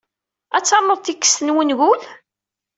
Ad ternuḍ tikkest n wengul?